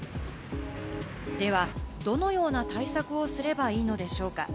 では、どのような対策をすればいいのでしょうか？